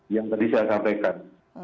yang tadi saya sampaikan